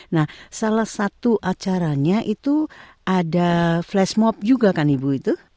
nah salah satu acaranya itu ada flash mob juga kan ibu itu